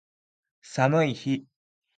寒い日